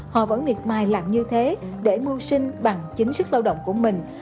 họ vẫn miệt mài làm như thế để mưu sinh bằng chính sức lao động của mình